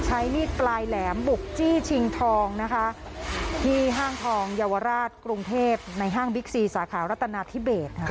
ใช้มีดปลายแหลมบุกจี้ชิงทองนะคะที่ห้างทองเยาวราชกรุงเทพในห้างบิ๊กซีสาขารัฐนาธิเบสค่ะ